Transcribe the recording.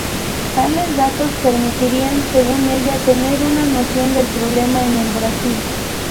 Tales datos permitirían, según ella, tener una noción del problema en el Brasil.